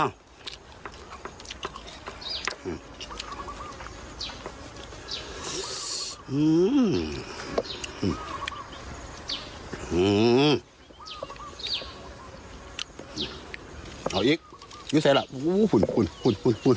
เอาอีกเจ้าใส่นะหุ่น